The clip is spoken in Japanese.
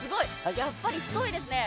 やっぱり太いですね。